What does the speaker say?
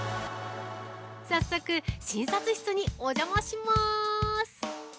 早速、診察室にお邪魔しまーす。